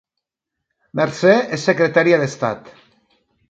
Mercè és secretària d'Estat